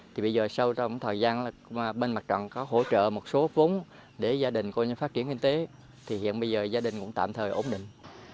thì bây giờ sau trong thời gian là bên mặt trận có hỗ trợ một số vốn để gia đình coi như phát triển kinh tế thì hiện bây giờ gia đình cũng tạm thời ổn định